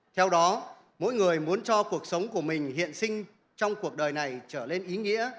theo đó mỗi người muốn cho cuộc sống của mình hiện sinh trong cuộc đời này trở lên ý nghĩa